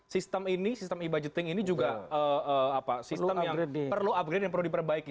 sistem ini sistem e budgeting ini juga perlu upgrade dan perlu diperbaiki